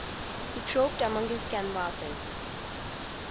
He groped among his canvases.